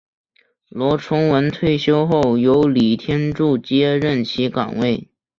罗崇文退休后由李天柱接任其岗位。